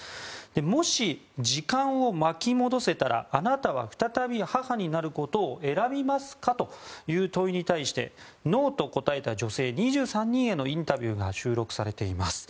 もし時間を巻き戻せたらあなたは再び母になることを選びますか？という問いに対してノーと答えた女性２３人へのインタビューが収録されています。